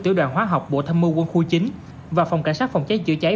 tiểu đoàn hóa học bộ thâm mưu quân khu chín và phòng cảnh sát phòng cháy chữa cháy